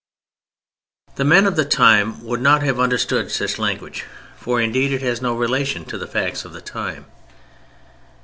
The men of the time would not have understood such language, for indeed it has no relation to the facts of the time.